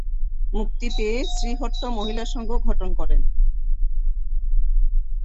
মুক্তি পেয়ে শ্রীহট্ট মহিলা সংঘ গঠন করেন।